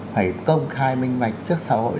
phải công khai minh mạch trước xã hội